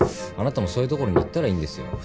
あなたもそういう所に行ったらいいんですよ。